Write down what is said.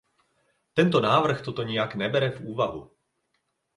Tento návrh toto nijak nebere v úvahu.